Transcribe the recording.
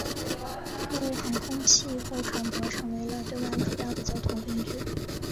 故航空器或船舶成为了对外主要的交通工具。